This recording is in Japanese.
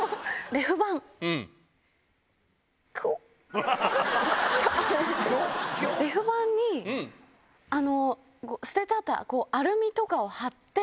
レフ板に捨ててあったアルミとかを貼って。